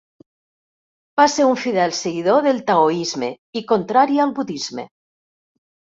Va ser un fidel seguidor del taoisme i contrari al budisme.